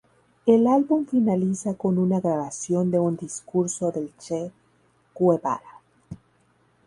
El álbum finaliza con una grabación de un discurso del Che Guevara.